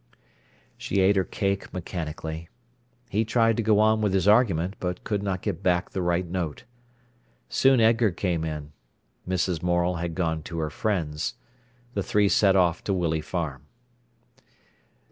She ate her cake mechanically. He tried to go on with his argument, but could not get back the right note. Soon Edgar came in. Mrs. Morel had gone to her friends'. The three set off to Willey Farm.